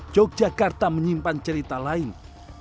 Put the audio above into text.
yogyakarta menyimpan cerita lainnya